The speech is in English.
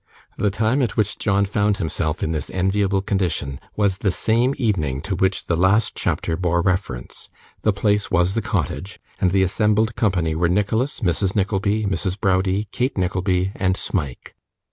The time at which John found himself in this enviable condition was the same evening to which the last chapter bore reference; the place was the cottage; and the assembled company were Nicholas, Mrs. Nickleby, Mrs Browdie, Kate Nickleby, and Smike.